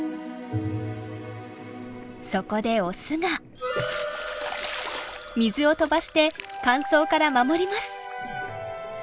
そこでオスが水を飛ばして乾燥から守ります。